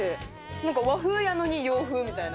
なんか和風やのに洋風みたいな。